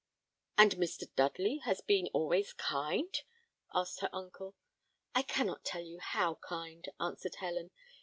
"And Mr. Dudley has been always kind?" asked her uncle. "I cannot tell you how kind," answered Helen.